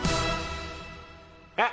えっ！